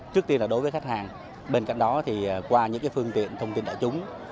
trước tiên là đối với khách hàng bên cạnh đó thì qua những cái phương tiện thông tin đại chúng thường việc báo đài